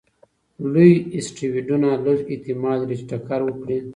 لوی اسټروېډونه لږ احتمال لري چې ټکر وکړي.